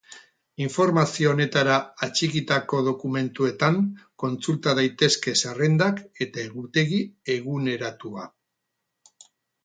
Informazio honetara atxikitako dokumentuetan kontsulta daitezke zerrendak eta egutegi eguneratua.